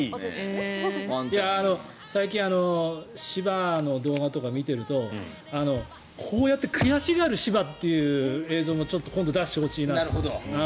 最近、柴の動画とかを見ているとこうやって悔しがる柴っていう映像も今度、出してほしいなと。